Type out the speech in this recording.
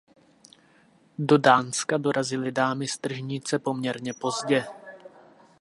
Do Dánska dorazily "Dámy z tržnice" poměrně pozdě.